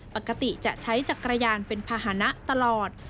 ปกติจะใช้จักรยานเป็นภาษณะตลอด